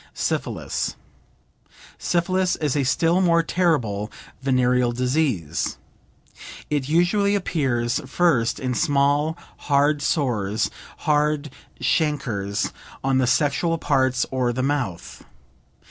SYPHILIS Syphilis is a still more terrible venereal disease. It usually appears first in small, hard sores, hard chancres, on the sexual parts or the mouth.